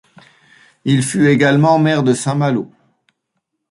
Il fut également maire de Saint-Malo.